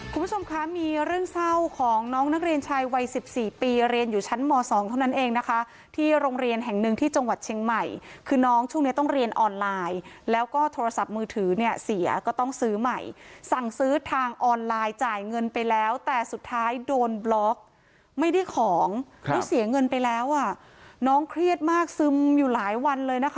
คุณผู้ชมคะมีเรื่องเศร้าของน้องนักเรียนชายวัยสิบสี่ปีเรียนอยู่ชั้นม๒เท่านั้นเองนะคะที่โรงเรียนแห่งหนึ่งที่จังหวัดเชียงใหม่คือน้องช่วงนี้ต้องเรียนออนไลน์แล้วก็โทรศัพท์มือถือเนี่ยเสียก็ต้องซื้อใหม่สั่งซื้อทางออนไลน์จ่ายเงินไปแล้วแต่สุดท้ายโดนบล็อกไม่ได้ของได้เสียเงินไปแล้วอ่ะน้องเครียดมากซึมอยู่หลายวันเลยนะคะ